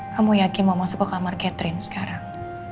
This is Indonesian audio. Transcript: kamu yakin mau masuk ke kamar catherine sekarang